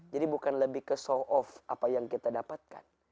jadi bukan lebih ke so of apa yang kita dapatkan